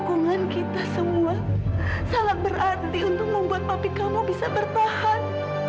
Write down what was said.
lingkungan kita semua sangat berarti untuk membuat papi kamu bisa bertahan